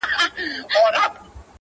• هم پروا نه لري -